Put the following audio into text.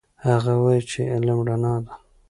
هغه وایي چې علم رڼا ده.